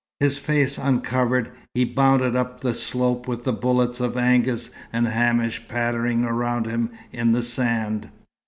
His face uncovered, he bounded up the slope with the bullets of Angus and Hamish pattering around him in the sand.